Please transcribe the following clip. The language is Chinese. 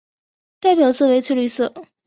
代表色为翠绿色。